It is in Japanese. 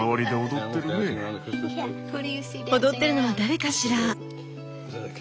踊ってるのは誰かしら？